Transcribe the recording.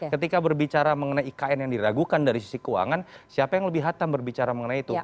ketika berbicara mengenai ikn yang diragukan dari sisi keuangan siapa yang lebih hatam berbicara mengenai itu